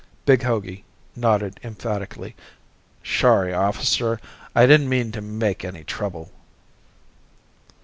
Big Hogey nodded emphatically. "Shorry, officer, I didn't mean to make any trouble."